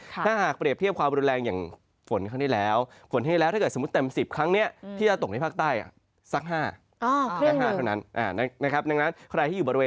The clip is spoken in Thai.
ถ้าหากเปรียบเทียบความบริโรนแรงอย่างฝนครั้งนี้แล้ว